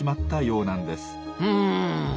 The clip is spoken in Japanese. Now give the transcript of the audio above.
うん。